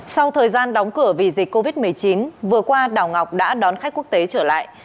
sau thời gian đóng cửa vì dịch covid một mươi chín vừa qua đảo ngọc đã đón khách quốc tế trở lại